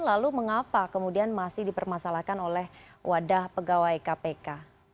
lalu mengapa kemudian masih dipermasalahkan oleh wadah pegawai kpk